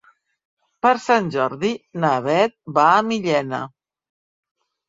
Per Sant Jordi na Beth va a Millena.